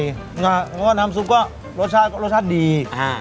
และน้ำซุปรสชาติก็รสชาติดี